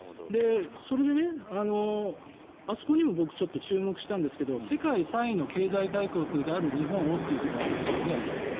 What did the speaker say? それで、あそこにも僕、注目したんですけど世界３位の経済大国である日本をというところがありますよね。